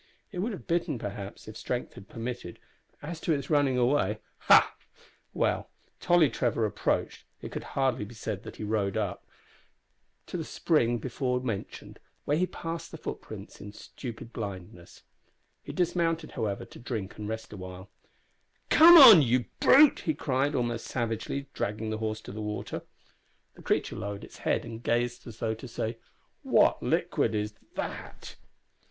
It would have bitten, perhaps, if strength had permitted, but as to its running away ha! Well, Tolly Trevor approached it could hardly be said he rode up to the spring before mentioned, where he passed the footprints in stupid blindness. He dismounted, however, to drink and rest a while. "Come on you brute!" he cried, almost savagely, dragging the horse to the water. The creature lowered its head and gazed as though to say, "What liquid is that?"